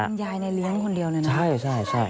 คุณยายในเลี้ยงคนเดียวเนอะใช่